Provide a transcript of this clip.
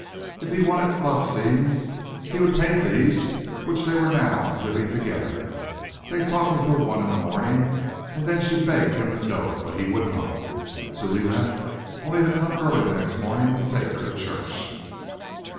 If he wanted love scenes he would paint these which they were now living together. They talked until one in the morning and then she begged him to go, but he would not. At two he left, only to come early the next morning to take her to church.